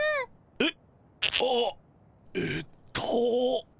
えっあっえっと。